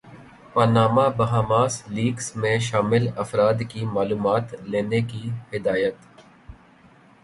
Panama Bahamas leaks میں شامل افراد کی معلومات لینے کی ہدایت